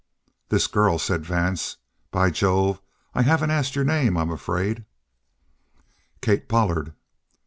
"This girl " said Vance. "By Jove, I haven't asked your name, I'm afraid." "Kate Pollard."